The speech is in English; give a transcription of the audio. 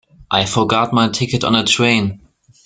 I forgot my ticket on the train.